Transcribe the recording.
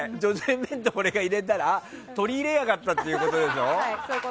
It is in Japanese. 弁当を俺が入れたら取り入れやがったってことでしょ。